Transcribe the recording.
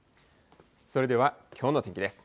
それではきょうの天気です。